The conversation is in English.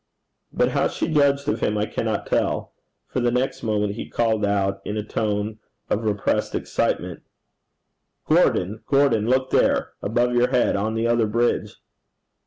But how she judged of him, I cannot tell; for the next moment he called out in a tone of repressed excitement, 'Gordon, Gordon, look there above your head, on the other bridge.'